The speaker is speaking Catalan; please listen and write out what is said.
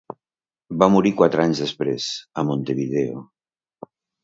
Va morir quatre anys després, a Montevideo.